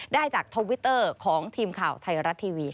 ได้จากทวิตเตอร์ของทีมข่าวไทยรัฐทีวี